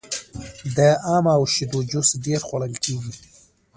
د ام او شیدو جوس ډیر خوړل کیږي.